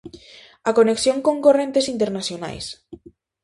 A conexión con correntes internacionais.